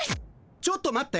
ちょっと待って。